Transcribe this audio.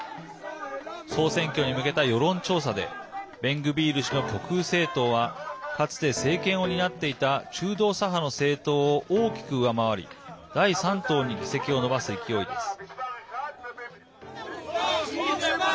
総選挙に向けた世論調査でベングビール氏の極右政党はかつて政権を担っていた中道左派の政党を大きく上回り第３党に議席を伸ばす勢いです。